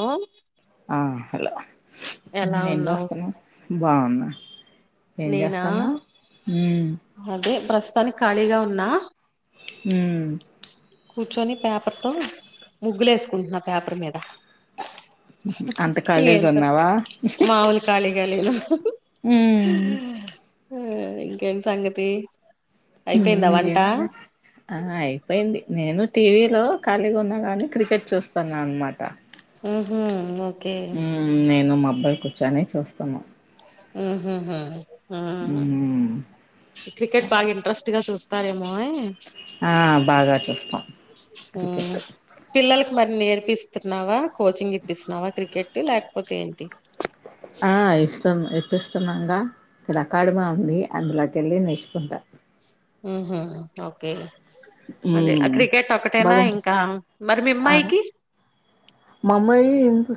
ఓ ఆ హలో ఏం ఉన్నావు జేస్తున్నా బావున్నా ఏం నేనా చేస్తాన్నావ్ ఊ తానికి ఖాళీగా ఉన్నా ఊ కూర్చొని పేపర్ తో ముగ్గులేసుకుంటున్నా పేపర్ మీద అంత ఖాళీగా ఏంటో ఉన్నావా మాములు ఖాళీగా లేను ఉమ్ ఆ ఇంకేం సంగతి అయిపోయిందా వంట ఆ అయిపోయింది నేను టీవీలో ఖాళీగా ఉన్నగాని క్రికెట్ చూస్తాన్నా అనమాట ఉహూ ఉమ్ నేను మా అబ్బాయి కూర్చొని చూస్తాము ఉమ్ క్రికెట్ బాగా ఇంట్రెస్ట్గా చూస్త తారెమో [unintelligible] ఆ బాగా చూస్తాం ఉమ్ క్రికెట్ పిల్లలకి మరి నేర్పిస్తున్నావా కోచింగ్ ఇప్పిస్తున్నావా క్రికెట్ లేకపోతే ఏంటి ఆ ఇష్ట పటిస్తున్నాంగా ఇక్కడ అకాడమా ఉంది అందులోకి వెళ్ళి నేర్చుకుంటారు ఉహూ హు ఓకే అదే అ ఉమ్ క్రికెట్ ఒకటేనా బాగా అనిపిస్ ఇంకా మరి మీ ఆ అమ్మాయికి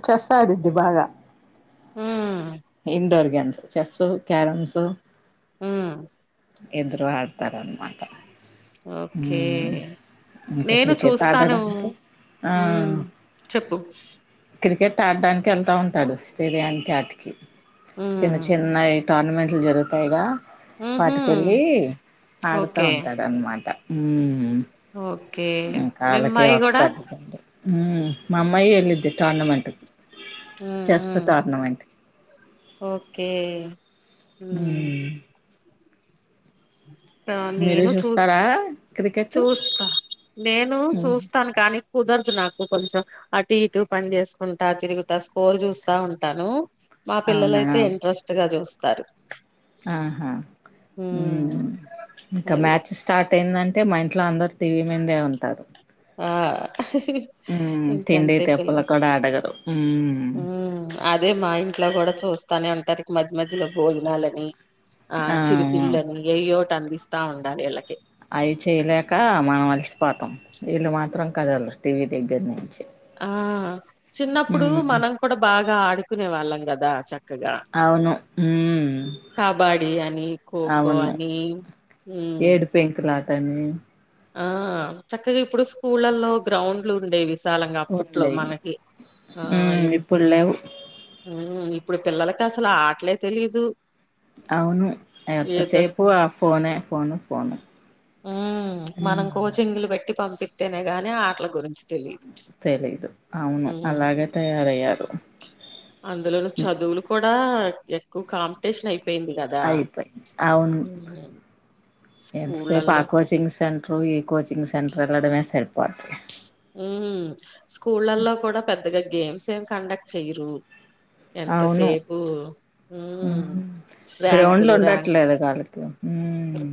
చస్ ఆద్ది బాగా ఉ ఇండోర్ గేమ్స్ చెస్సు క్యారమ్స్ ఉమ్మ్ ఇద్దరు ఆడతారంత ఓకే ఇంకా నేను క్రికెట్ చూస్తాను ఆడడానికి ఆ ఉమ్ చెప్పు క్రికెట్ ఆడ్డనికి వెళ్తా ఉంటాడు స్టేడియానికి కి చిన్న ఉమ్ చిన్నెయ్ టర్నమెంట్లు జరుగుతాయిగా ఉహు వాటికెళ్ళి ఆడుత ఓకే ఉంటాడన్మట ఉమ్మ్ ఓకే మీమ్మాయి గూడ ఉమ్మ్ మా అమ్మాయే ఎల్లిది టర్నమెంట్. ఉమ్ చెస్ ఉమ్ టర్నమెంట్ ఓకే ఉమ్ ఉమ్మ్ మీరు నేను చూస్తారా చూస్తా క్రికెట్ చూస్తా నేనూ చూస్తాను కాని కుదరదు నాకు కొంచెం అటు ఇటు పని చేసుకుంటా తిరుగుత స్కోర్ చూస్తా ఉంటాను మా అవునా పిల్లలైతే ఇంట్రెస్ట్ గా చూస్త తరు ఆహా మ్మ్ ఇంక అది మ్యాచ్ స్టార్ట్ ఏందంటె మా ఇంట్లో అందరు టీవీ మిందే ఉంటారు. ఆహ్ హ్మ్ తిండి ఇంకంతే తెప్పలు పిల్లల్ కూడా అడగరు హ్మ్ మ్మ్మ్ అదే మా ఇంట్లో గూడా చూస్తానే ఉంటారు మధ్య మధ్యలో భోజనాలని ఆ ఆహ్ చిరుతిల్లని ఏయ్యోట్. అందిస్తా ఉండాలి ఇళ్ళకి. అయ్ చేయలేక మనం అలసిపోతమ్. వీళ్ళు మాత్రం కదల్ర్ టీవీ దగ్గర నుంచి. ఆహ్హ్ చిన్నప్పుడూ హ్మ్ మనం కూడా బాగ్. ఆడుకునే వాళ్ళం గదా చక్ కదా అవును హ్మ్ కబడీ అని కో కో అవును అని హ్మ్ టని ఆహ్ చక్కగ ఇప్పుడు స్కూళ్ళలో గ్రౌండ్లు ఉండేవి. విశాలంగా అప్పట్లో ఉండేవి మనకి ఆహ్ హ్మ్ ఇ ఇప్పుడు లేవు హ్మ్ ఇ ఇప్పుడు పిల్లలకస్సలా ఆట్లే తెలీదు. అవును ఏదో ఎంతసేపు ఆ ఫోనే ఫోను ఫోను. హ్మ్మ్ మనం హ్మ్ కోచింగ్లు పెట్ ట్టి పంపిస్తేనే గాని ఆటల గురించి తెలీదు తెలిదు అవును అలాగే తయారయ్యారు. అందులోనే చదువులు కూ కూడా ఎక్కువ కాంపిటీషన్ అయి. అయిపోయ్ అవును ఉమ్ ఎంతసేపు ఆ స్కూళ్ళల్లో కోచింగ్ సె టర్ కోచింగ్ సెంటర్ ఎళ్ళడమే సరిపోద్ది. హ్మ్ స్కూళ్ళలో కూడా పెద్దగా గేమ్ సేమ్ కండక్ట్ చేయరు. అవును ఉమ్ హ్మ్ గ్రౌండ్లు ర్యాంకులు ర్యాంకులు ఉండట్లేదుగ ఆళ్ళకి హ్మ్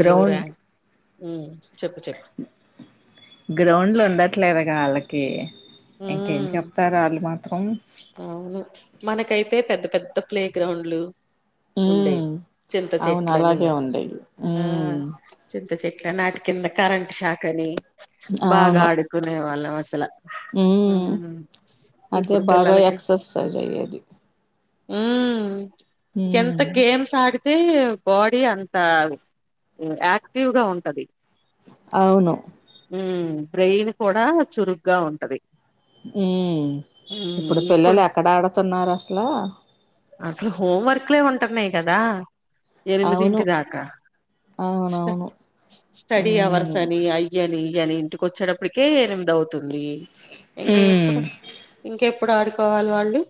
గ్రౌండ్. హ్మ్ చెప్పు చెప్పు గ్రౌండ్లు ఉండట్లేదుగా ఆళ్ళకి. ఇంకేం ఉమ్ చెప్తారు అళ్ళు మాత్రం అవును మనకైతే పెద్ద పెద్ద ప్లే గ్రౌండ్లు మ్మ్ ఉండేయ్ చింత అవును చెట్లన్ని అలాగే ఉండేవి ఆ మ్మ్ చిన్ చేట్ల నాటి కింద కరెంట్ షాక్ అని బాగా అడుకునే వాళ్ళం పెళ్ల హ్మ్మ్ అదే ఇప్పుడు బాగా ఎక్సర్సైజ్ అయ్యేది ఉమ్మ్మ్ ఎంత మ్మ్ గేమ్స్ ఆడీ డీతే బాడీ అంత యాక్టివ్ గా ఉంటది అవును ఉ బ్రెయిన్ కూడా చురుగ్గా ఉంటది ఉమ్మ్ ఇప్పుడు పిల్లలు ఎక్కడ ఆడతన్నారు అసలా అసలు హోవర్క్ లో ఉంటానై కదా ఎనిమిది అవును ఇంటి దాకా స్ అవునవును స్టడీ అవర్స్ ఉమ్ అని అయ్యని కాని ఇంటికి వచ్చేటప్పటికే ఎనిమిది అవుతుంది ఇంగ ఎప్పుడు ఉమ్ ఇంక ఎప్పు ఎపుడు ఆడుకోవాలి వాళ్లు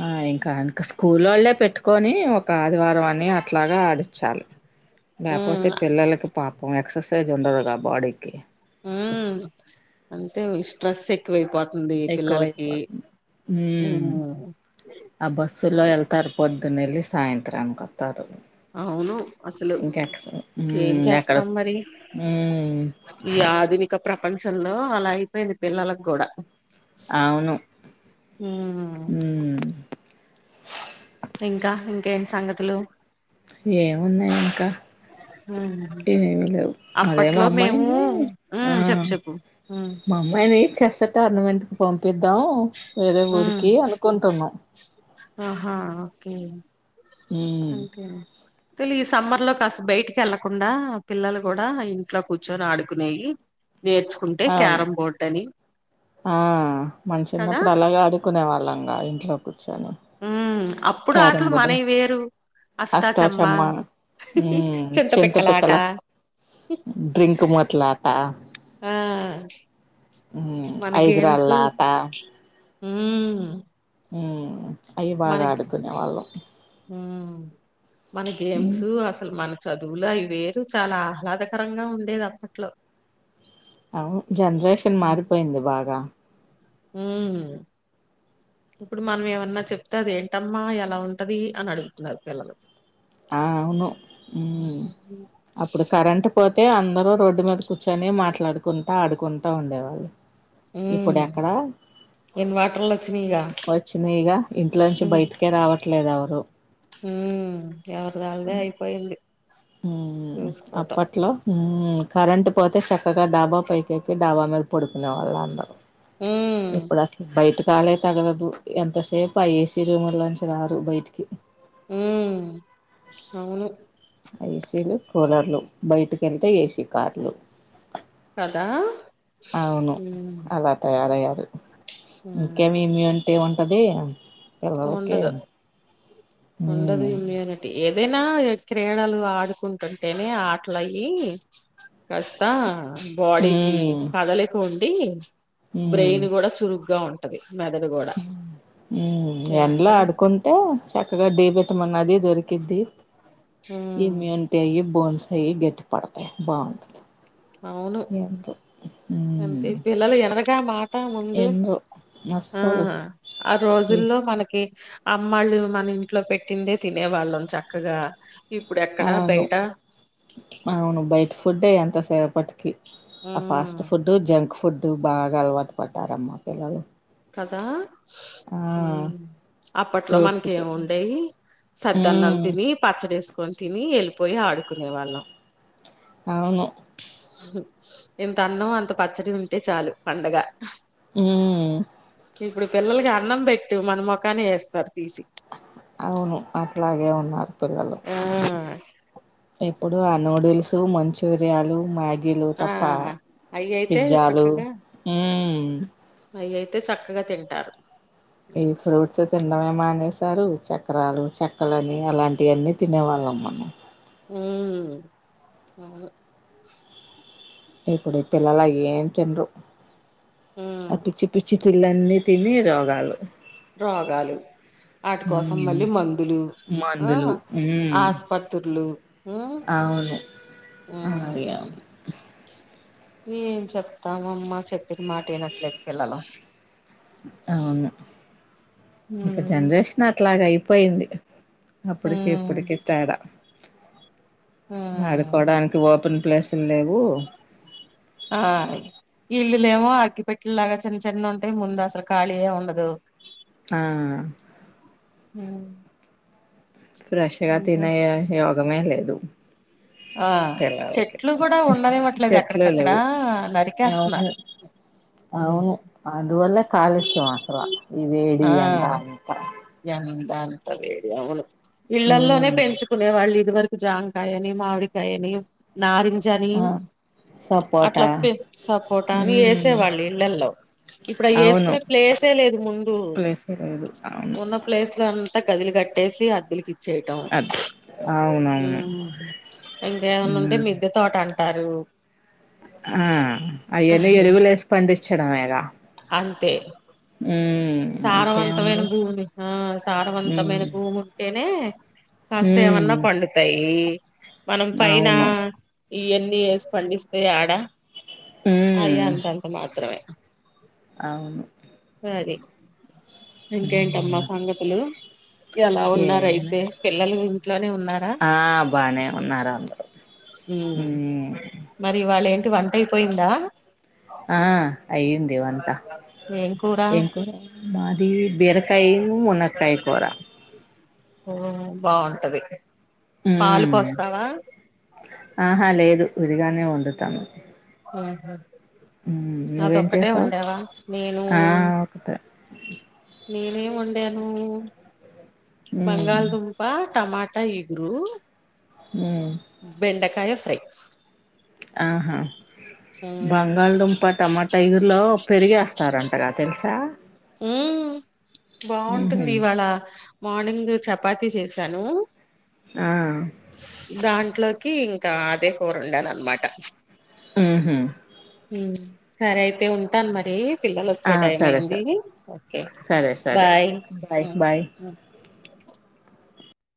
ఆ ఇంకా ఇంక స్కూల్ లోళ్లేే పెట్టుకొని ఒక ఆదివారం అన్ని అట్లాగా ఆడిచాలి లేపోతే మ్మ్ పిల్లలకు పా అ ఎక్ససైజ్ ఉండదుగా బాడీకి ఊమ్ అంతే స్ట్రెస్ ఎక్కువైపో ఎక్కువైపోతుంది హ్మ్ మ్మ్ ఆ బస్సులో వెళ్తారు పో ద్దున ఎల్లీ సాయంత్రాని కొత్తరు అవును అసలు ఏం ఉమ్ ఎక్కడ చేస్తాం మరి ఉమ్ ఈ ఆధునిక ప్రపంచంలో అలా అయిపోయింది పిల్లలకు కూడా అవును మ్మ్ ఉమ్మ్ ఇంకా ఇంకేంట్ సంగతులు ఏమున్నాయి ఇంకా మ్మ్ ఏమి లేవు అదే మా అప్పట్లో మేము అమ్మాయిని ఆ మ్మ్ చెప్పు చెప్పు మ్మ్ మా అమ్మాయిని చెస్ టోర్నమెంట్ కి పంపిద్దాం వేరే ఊరికి అనుకుంటున్నాం అహా ఓకే ఉమ్ అంతే తెలి ఈ సమ్మర్ లో కాస్త బయటికి వెళ్ళకుండా పిల్లలు కూడా ఇంట్లో కూర్చొని ఆడుకునేయి నేర్చుకుంటే అవును క్యారం బోర్డు అని ఆ మన కదా చిన్నప్పుడు అలాగే ఆడుకునే వా లంగా ఇంట్లో కుచ్చోని. మ్. అప్పుడు ఆట్లు మనయ్ వేరు అష్టాచమ్మ ఉమ్ చింత చింతపిక్కలాట పిక్కల డ్రింక్ మూతలాట ఆ ఉమ్ మన ఐదురాళ్ళ గేమ్సు ఆట మ్. ఊమ్. అయ్యి బాగాడుకునే వాళ్ళం. మ్. మన ఉమ్ గేమ్సు అసల్ మన చదువులు అయ్ వేరు చాలా ఆహ్లాదకరంగా ఉండేదప్పట్లో. ఔను జన్రేషన్ మారిపోయింది బాగా. ఉమ్ ఇప్పుడు మనమేమన్నా చెప్తె అదేట్టమ్మా ఎలా ఉంటది అని అడుగుతున్నారు పిల్లలు. ఆ ఔను ఊమ్ పిల్లలు అప్పుడు కరెంట్ పో తే అందరూ రోడ్డు మీద కుచ్చోని మాట్లాడుకుంటా ఆడుకుంటా ఉండేవాళ్ళు. ఉమ్ ఇప్పుడెక్కడ ఇన్వర్టర్లు వచ్చినాయిగా వొచ్చినయిగ ఇంట్లోంచి బయ్ట్కే రావట్లేదెవ. ఔ. హూమ్. ఎవర్దాళ్దే అయ్పోయింది మ్మ్ చూస్కోటం. అప్పట్లో మ్మ్ కరెంట్ పోతె చక్కగా డాబా పైకెక్కి డాబా మీద పొడుకునే వాళ్ళందరు. ఉమ్ ఇప్పుడసల్ బైటిక్ గాలే తగలదు ఎంతసేప్ ఆ ఏసీ రూముల్లోంచి రారు బైటికి. ఊమ్. అ ఏసీలు కూలర్లు బైటిక్. ఎంతె ఏస్ కదా. ఔను ఉమ్ అలా తయా అరయ్యారు. ఉమ్ ఒకే మీమ్యూన్ ఏవంటది. పిల్లల్కే. ఉండదు ఉండదు ఇమ్యూనిటి. ఏదైనా ఎ క్రీడలు ఆడుకుంటుంటేనే ఆట్లయ్యి కస్త. బాడీకి హ్మ్ తగలేకుమ్ కి. హ్మ్ బ్రెయిన్ కూడా చురుగ్గా ఉం టది మెదడుగోడ ఎండ్లో ఆడుకుంటే చక్కగా డీ విటమిన్ అది దొరికి ద్ది ఉమ్ ఇమ్యూనిటీ ఇం బోన్స్ అయీ గట్టి పడతయి బాగుంటది అవును ఎండ్లు అంతే హ్మ్ పిల్లలు ఎనర గా మా టా ముందు ఎండ్లు ఆ అస్సలు హ ఆ ఇస్ రోజుల్లో మనకి అమ్మాళ్ళు మన ఇంట్లో పెట్టిందే తినేవాళ్ళం చక్కగా ఇప్పుడు ఎక్కడ అవును బయట అవును బయటి ఫుడే ఎంత సేపట్ కి ఆ ఉమ్ ఫాస్ట్ ఫుడూ జంక్ ఫుడ్ బాగా అలవాటు పడ్డారమ్మా పిల్లలు కదా ఆ హుమ్ అప్పట్లో ఫ్రూట్స్ తి మనకెమి ఉండేయి సద్దన్నం హ్మ్ తిని పచ్చడేసుకొని తిని ఎల్లిపో పోయి ఆడుకునే వాళ్ళం అవును ఇంత అన్నం అంత పచ్చడి ఉంటే చాలు పండగ హూమ్ ఇప్పుడు పిల్లలకి అన్నం బెట్టు మన మొకానే ఎస్తారు అవును అట్లాగే ఉన్నారు పిల్లలు [unintelligible] ఇప్పుడు ఆ నూడిల్స్ మంచూరియాలు మ్యా వీళ్ళు తప్ప అయి అయితే పిజ్జాలు హూమ్ హుమ్ అయ్యియితే చక్కగా తింటారు ఈ ఫ్రూట్స్ తిండమేమా సారు చక్రాలు చెక్కలని అలాంటివన్నీ తినే వాళ్ళం మనం హూమ్ అవును ఇప్పుడు ఈ పిల్లలు అయ్యేం తినరు ఉమ్ అ పిచ్చి పిచ్చి తిల్లన్నీ తిని రోగాలు రోగాలు వాటి కోసం మ్మ్ మళ్ళీ మందులు ఆ మందులు మ్మ్ ఆస్పత్రులు ఉమ్ అవును ఉం అలాగే అవును ఏం చెప్తామమ్మ చెప్పిన్మాట వినట్లేదు పిల్లలు ఔను ఇక ఉమ్ జన్రేషన్ అట్లాగ ఐప్ పోయింది అప్పుడుకి ఉమ్ ఇప్పుడుకి తేడ ఆడుకోడానికి ఓపెన్ ప్లేస్లు లేవూ అగ్గి పెట్టె లాగ చిన్న చిన్న ఉంటాయ్ ముందు అసలు ఖాలియే ఉండదు ఆ ఉమ్ ఫ్రేష్గ ఉహు. తినేఎ యోగమే లేదు దు ఆ పిల్లల్కి చెట్లు కూడా ఉండనివ్వట్లేదు చెట్లే ఎక్కడికక్కడ లేవు ఔను నరికేస్తున్నారు ఉమ్ ఔను అందువల్లే కాలుష్యాం అసల ఈ వేడి ఎండ అంత అంతవేడి ఔను ఇళ్లల్లోనే ఉమ్ పెంచుకునే వాళ్ళు ఇదివరక్ జాంకాయని మావిడికాయని నారిం జనీ ఆ అట్ల సపోటా సపోట అని ఉమ్ ఏసేవాళ్ళు ఇళ్లల్లో ఇప్పుడై అవును ఏస్కునే ప్లేసే లేదు ముందు ప్లేసే లేదు అవును ఉన్న ప్లేస్లో త కట్టేసి అద్దెలికి అద్ ఔనౌను ఇంకేమనుంటే మిద్దె తోటం టరూ ఆ అయ్యన్ని ఎరువులేసి పండించడమేగ అంతె ఊమ్ సారవంతమైన భూమి ఆ ఉమ్ సారవంతమైన భూముంటేనే కాస్త ఉమ్ ఏమన్నా పండుతాయీ [inaudible] మనం పైనా అవును ఇయన్నీ ఏస్ పండిస్తే యడ అయంతంత మాత్రమె ఔన్ అది ఇంకేంటమ్మ మ్మ్ సంగతులు ఎలా ఏమున్నాయి ఉన్నారైతే పిల్లలు ఇంట్లోనే ఉన్నారా ఆ బానే ఉన్నారు అందరూ ఊమ్ మ్మ్ మరి ఇవాళ్ళ ఏం వంటైపోయిందా ఆ అయ్యింది వంట ఏం కూర ఇంక్ మాద్ బేరకాయను, మునక్కాయ కూర మ్మ్ బాగుంటది పాలు మ్మ్ పోస్తావా ఆహా లేదు విడిగానే వండతాను అహ మ్మ్ నువ్వేం చేసావు నేను ఆ ఒకటే [unintelligible] నేనేం వండాను మ్మ్ బంగాళదుంపా టమా టైగురు మ్మ్ బెండకాయ ఎగ్స్ ఆహా బంగాళదుంపా టమాట ఇగురులో పెరుగేస్తారంటగా తెలుస్ సా మ్మ్ ఊహూ బాగుంటుంది ఇవాళ మార్నింగ్ చప్ పాతి చేసాను ఆ దాన్ ట్లోకి ఇంకా అదే కూర ఉండాను అనమాట మ్మ్ హ్మ్ సరే అయితే ఉంటాను మరి పిల్లలు వచ్చే ఆ టైం సరే అయింది సరే ఓకే సరే సరే బాయ్ అయితే బాయ్ బాయ్